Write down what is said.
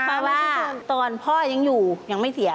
คือว่าตอนพ่อยังอยู่เหมือนยังไม่เสีย